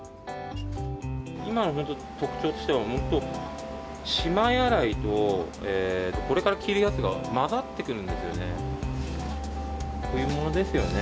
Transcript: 今の特徴としては、しまい洗いと、これから着るやつが交ざってくるんですよね。冬物ですよね。